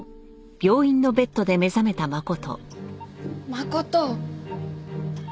真琴！